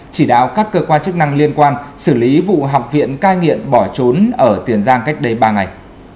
chỉ đạo các cơ quan chức năng liên quan xử lý vụ học viện cai nghiện bỏ trốn ở tiền giang cách đây ba ngày